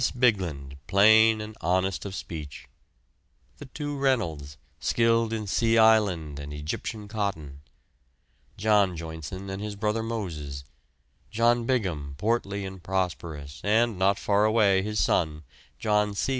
Bigland, plain and honest of speech; the two Reynolds, skilled in Sea Island and Egyptian cotton; John Joynson and his brother Moses; John Bigham, portly and prosperous; and not far away, his son, John C.